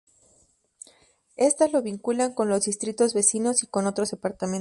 Estas lo vinculan con los distritos vecinos, y con otros departamentos.